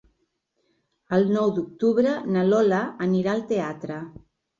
El nou d'octubre na Lola anirà al teatre.